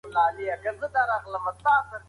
هغوی په خلافت کې د یو عادي غریب په څېر ژوند تېراوه.